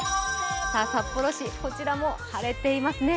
札幌市、こちらも晴れていますね。